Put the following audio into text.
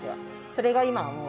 それが今はもう。